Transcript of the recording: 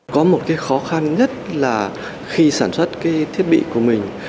có một cái khó khăn nhất là khi sản xuất cái thiết bị của mình